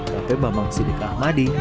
kp bambang sidik ahmadi